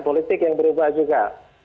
politik yang berubah juga